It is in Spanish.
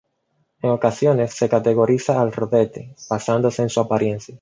En ocasiones se categoriza al rodete basándose en su apariencia.